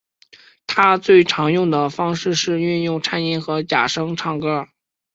他最常用的方式是运用颤音和假声唱歌。